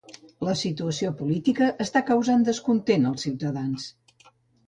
La situació política està causant descontentament als ciutadans.